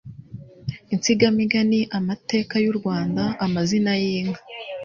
insigamigani, amateka y'u Rwanda, amazina y'inka